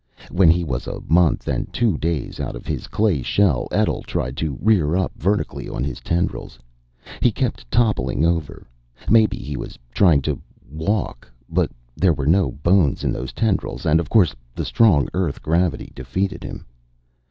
When he was a month and two days out of his clay shell, Etl tried to rear up vertically on his tendrils. He kept toppling over. Maybe he was trying to "walk." But there were no bones in those tendrils and, of course, the strong Earth gravity defeated him.